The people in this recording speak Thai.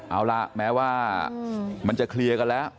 เอาล่ะแม้ว่ามันจะเคลียร์กันแล้ว